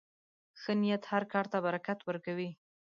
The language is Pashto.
ښه نیت هر کار ته برکت ورکوي.